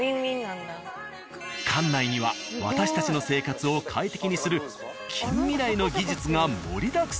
館内には私たちの生活を快適にする近未来の技術が盛りだくさん。